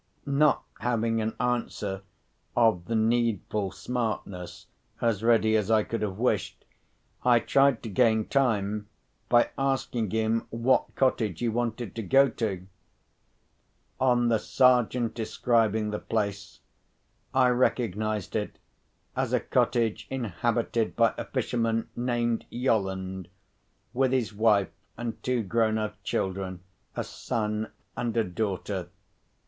Not having an answer of the needful smartness as ready as I could have wished, I tried to gain time by asking him what cottage he wanted to go to. On the Sergeant describing the place, I recognised it as a cottage inhabited by a fisherman named Yolland, with his wife and two grown up children, a son and a daughter.